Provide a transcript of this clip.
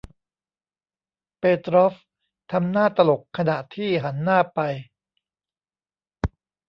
เปตรอฟทำหน้าตลกขณะที่หันหน้าไป